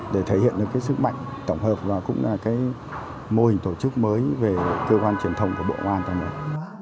để thể hiện được sức mạnh tổng hợp và mô hình tổ chức mới về cơ quan truyền thông của bộ công an